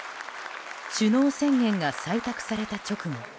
首脳宣言が採択された直後